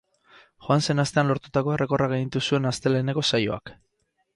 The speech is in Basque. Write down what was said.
Joan zen astean lortutako errekorra gainditu zuen asteleheneko saioak.